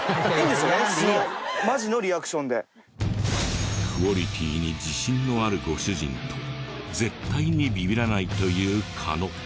クオリティーに自信のあるご主人と絶対にビビらないという狩野。